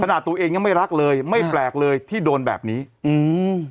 ตัวเองยังไม่รักเลยไม่แปลกเลยที่โดนแบบนี้อืม